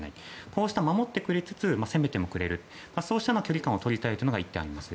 こうした守ってくれつつ攻めてもくれるそうした距離感を取りたいというのが一点、あります。